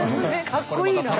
かっこいいな。